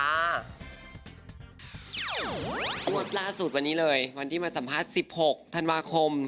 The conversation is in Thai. งวดล่าสุดวันนี้เลยวันที่มาสัมภาษณ์๑๖ธันวาคม